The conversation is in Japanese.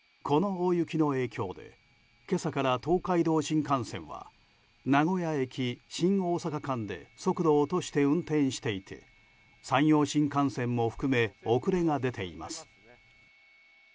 この大雪の影響で今朝から東海道新幹線は名古屋駅新大阪駅間で速度を落として運転していて山陽新幹線も含め遅れが出ています。